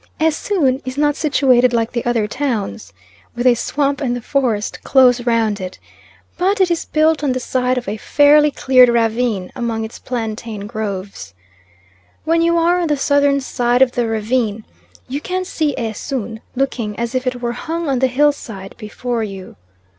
Esoon is not situated like the other towns, with a swamp and the forest close round it; but it is built on the side of a fairly cleared ravine among its plantain groves. When you are on the southern side of the ravine, you can see Esoon looking as if it were hung on the hillside before you.